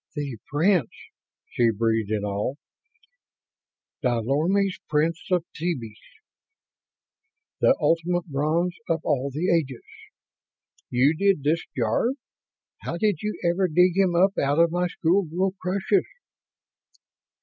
"The Prince," she breathed, in awe. "Da Lormi's Prince of Thebes. The ultimate bronze of all the ages. You did this, Jarve. How did you ever dig him up out of my schoolgirl crushes?"